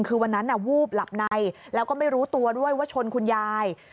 คือวันนั้นวูบหลับในแล้วก็ไม่รู้ตัวด้วยว่าชนคุณยาย